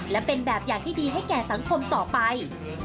และเป็นแบบอย่างที่ดีให้แก่สังคมต่อไป